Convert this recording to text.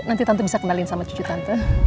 nanti tante bisa kenalin sama cucu tante